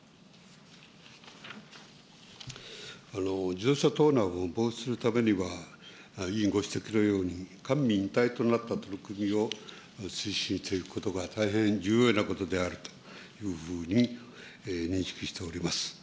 自動車盗難を防止するためには、委員ご指摘のように、官民一体となった取り組みを推進していくことが大変重要なことであるというふうに認識しております。